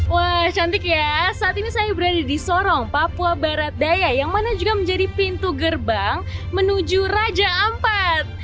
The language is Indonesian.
wah cantik ya saat ini saya berada di sorong papua barat daya yang mana juga menjadi pintu gerbang menuju raja ampat